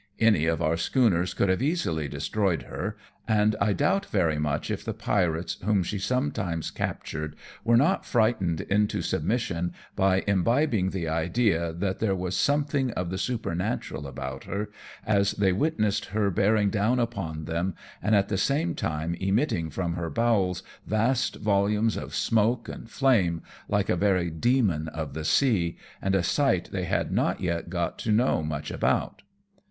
Any of our schooners could have easily destroyed her, and I doubt very much if the pirates whom she SHANGHAI TO NAGASAKI. 253 sometimes captured were not frightened into submission by imbibing the idea that, there was something of the supernatural about her, as they witnessed her bearing down upon them, and at the same time emitting from her bowels vast volumes of smoke and flame, like a very demon of the sea^ and a sight they had not yet got to know much about.